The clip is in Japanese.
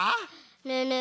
ねえねえ